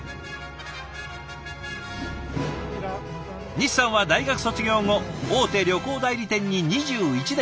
西さんは大学卒業後大手旅行代理店に２１年勤務。